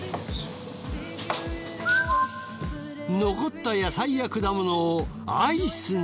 残った野菜や果物をアイスに。